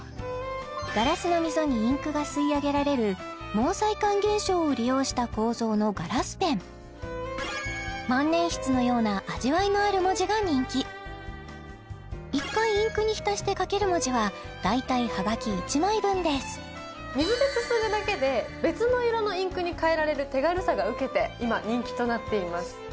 ガラスの溝にインクが吸い上げられる毛細管現象を利用した構造のガラスペンが人気１回インクに浸して書ける文字は大体はがき１枚分です水ですすぐだけで別の色のインクに変えられる手軽さが受けて今人気となっています